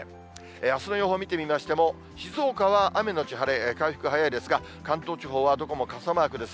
あすの予報見てみましても、静岡は雨後晴れ、回復早いですが、関東地方はどこも傘マークです。